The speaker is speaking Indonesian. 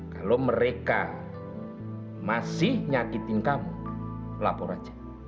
kalau mereka masih nyakitin kamu lapor aja